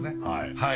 はい。